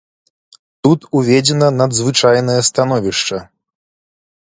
Тут уведзена надзвычайнае становішча.